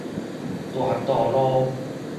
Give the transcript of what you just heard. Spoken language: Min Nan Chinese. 大度路